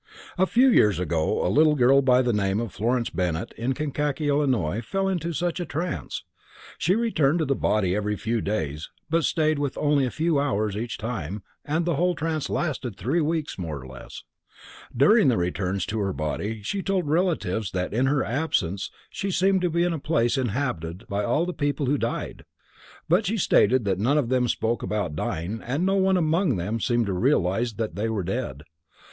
A few years ago a little girl by the name of Florence Bennett in Kankakee, Illinois, fell into such a trance. She returned to the body every few days, but stayed within only a few hours each time, and the whole trance lasted three weeks, more or less. During the returns to her body she told relatives that in her absence she seemed to be in a place inhabited by all the people who died. But she stated that none of them spoke about dying and no one among them seemed to realize that they were dead.